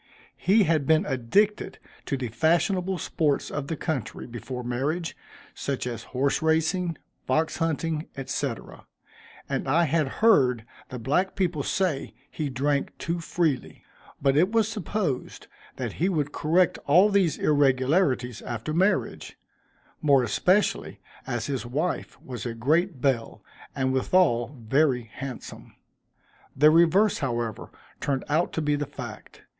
He had been addicted to the fashionable sports of the country, before marriage, such as horse racing, fox hunting, &c., and I had heard the black people say he drank too freely; but it was supposed that he would correct all these irregularities after marriage, more especially as his wife was a great belle, and withal very handsome. The reverse, however, turned out to be the fact.